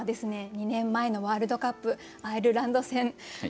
２年前のワールドカップアイルランド戦。